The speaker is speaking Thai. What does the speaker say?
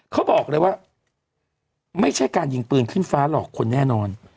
เขาบอกเลยว่าไม่ใช่การยิงปืนขึ้นฟ้าหลอกคนแน่นอน